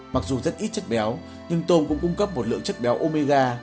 mặc dù rất ít chất béo nhưng tôm cũng cung cấp một lượng chất béo omega